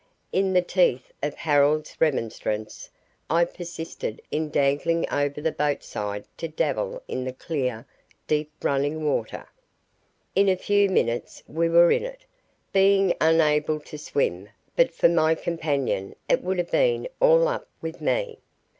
In the teeth of Harold's remonstrance I persisted in dangling over the boat side to dabble in the clear, deep, running water. In a few minutes we were in it. Being unable to swim, but for my companion it would have been all up with me.